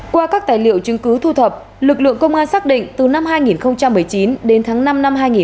qua các tài liệu chứng cứ thu thập lực lượng công an xác định từ năm hai nghìn một mươi chín đến tháng năm năm hai nghìn hai mươi